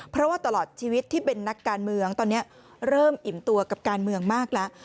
เพราะว่าตลอดชีวิตที่เป็นนักการเมืองตอนนี้เริ่มอิ่มตัวกับการเมืองมากแล้ว